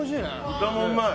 豚もうまい！